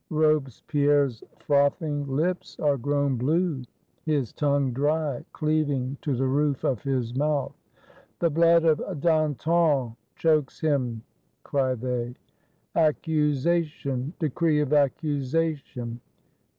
Robespierre's frothing lips are grown "blue"; his tongue dry, cleaving to the roof of his mouth. " The blood of Danton chokes him!" cry they. "Accusation! Decree of Accusation!"